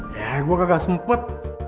ya gue gak sempet